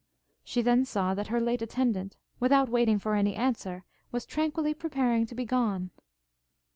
She then saw that her late attendant, without waiting for any answer, was tranquilly preparing to be gone.